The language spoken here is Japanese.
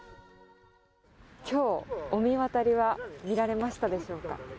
きょう、御神渡りは見られましたでしょうか。